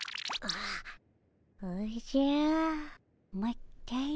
おじゃまったり。